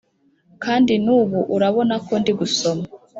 kandi n’ubu urabona ko ndi gusoma.